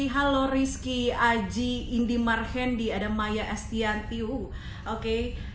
halo rizky aji indy marhandi ada maya estianti uh oke